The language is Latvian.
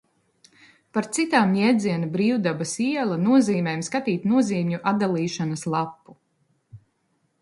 Par citām jēdziena Brīvdabas iela nozīmēm skatīt nozīmju atdalīšanas lapu.